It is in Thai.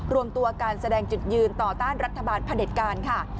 รวมตัวการแสดงจุดยืนต่อต้านรัฐบาลพระเด็จการค่ะ